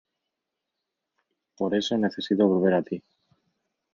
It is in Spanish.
por eso necesito volver a ti